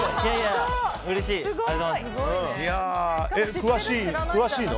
詳しいの？